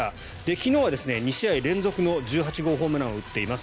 昨日は２試合連続の１８号ホームランを打っています。